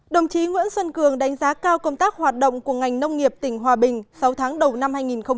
đồng chí nguyễn xuân cường đánh giá cao công tác hoạt động của ngành nông nghiệp tỉnh hòa bình sáu tháng đầu năm hai nghìn một mươi chín